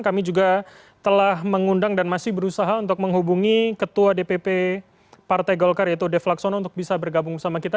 kami juga telah mengundang dan masih berusaha untuk menghubungi ketua dpp partai golkar yaitu dev laksono untuk bisa bergabung bersama kita